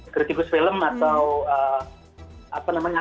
kritikus film atau apa namanya